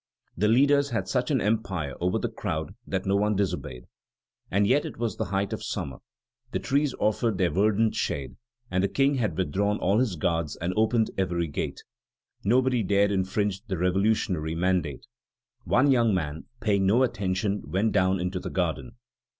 The leaders had such an empire over the crowd that no one disobeyed. And yet it was the height of summer, the trees offered their verdant shade, and the King had withdrawn all his guards and opened every gate. Nobody dared infringe the revolutionary mandate. One young man, paying no attention, went down into the garden.